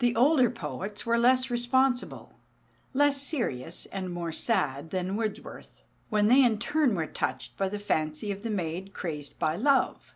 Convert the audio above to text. The older poets were less responsible, less serious and more sad, than Wordsworth, when they in turn were touched by the fancy of the maid crazed by love.